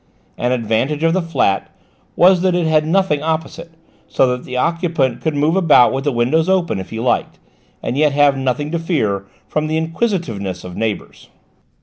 An advantage of the flat was that it had nothing opposite, so that the occupant could move about with the windows open if he liked, and yet have nothing to fear from the inquisitiveness of neighbours.